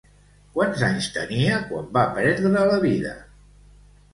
Quants anys tenia quan va perdre la vida?